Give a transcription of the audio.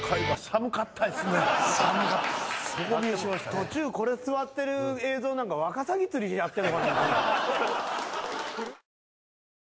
途中これ座ってる映像なんかワカサギ釣りやってる。